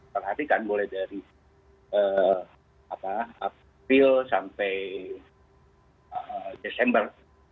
perhatikan mulai dari april sampai desember dua ribu dua puluh